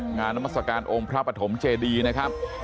งานนมสการองค์พระปฐมเจดีนะครับ